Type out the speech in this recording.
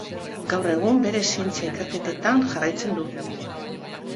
Gaur egun bere zientzia ikerketetan jarraitzen du.